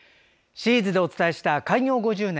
シリーズでお伝えした開業５０年